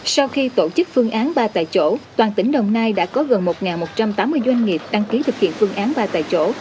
sau khi tổ chức phương án ba tại chỗ toàn tỉnh đồng nai đã có gần một một trăm tám mươi doanh nghiệp đăng ký thực hiện phương án ba tại chỗ